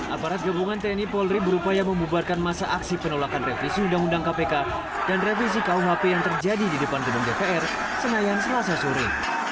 aparat gabungan tni polri berupaya membubarkan masa aksi penolakan revisi undang undang kpk dan revisi kuhp yang terjadi di depan gedung dpr senayan selasa sore